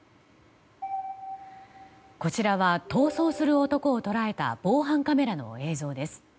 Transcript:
こちらは逃走する男を捉えた防犯カメラの映像です。